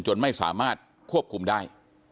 จนไม่สามารถควบคุมได้